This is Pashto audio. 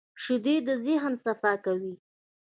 شیدې د ذهن صفا کوي